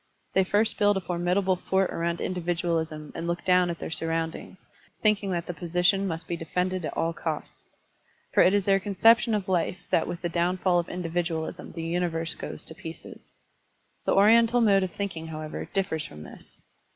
They first build a formidable fort around individualism and look down at their surroundings, thinking that the position must be defended at all costs. For it is their conception of life that with the downfall of individualism the universe goes to pieces. The Oriental mode of thinking, however, differs from this.